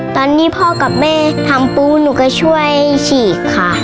ตอนนี้พ่อกับแม่ทำปูหนูก็ช่วยฉีกค่ะ